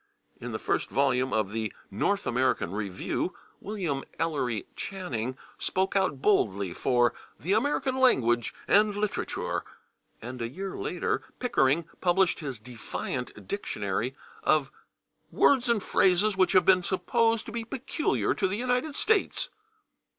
In the first volume of the /North American Review/ William Ellery Channing spoke out boldly for "the American language and literature," and a year later Pickering published his defiant dictionary of "words and phrases which have been supposed to be peculiar to the United States."